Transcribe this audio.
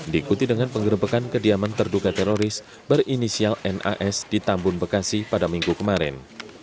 diikuti dengan penggerbekan kediaman terduga teroris berinisial nas di tambun bekasi pada minggu kemarin